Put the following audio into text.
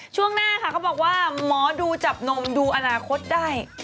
ช่วงหน้าค่ะเขาบอกว่าหมอดูจับนมดูอนาคตได้